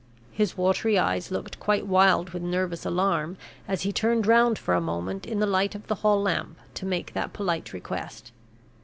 His watery eyes looked quite wild with nervous alarm as he turned round for a moment in the light of the hall lamp to make that polite request.